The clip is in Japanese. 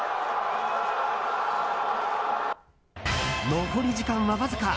残り時間はわずか。